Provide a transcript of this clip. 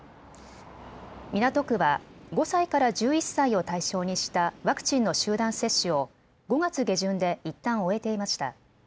港区は５歳から１１歳を対象にしたワクチンの集団接種を５月下旬でいったん終えていました。